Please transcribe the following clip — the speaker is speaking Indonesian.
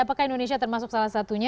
apakah indonesia termasuk salah satunya